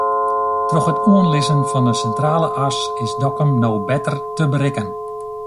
Troch it oanlizzen fan de Sintrale As is Dokkum no better te berikken.